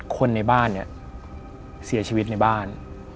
คนในบ้านเสียชีวิตในบ้าน